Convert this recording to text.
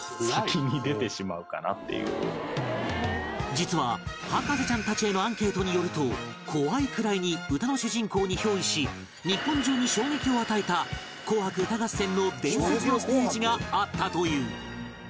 実は博士ちゃんたちへのアンケートによると怖いくらいに歌の主人公に憑依し日本中に衝撃を与えた『紅白歌合戦』の伝説のステージがあったという